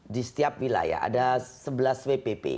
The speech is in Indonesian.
di setiap wilayah ada sebelas wpp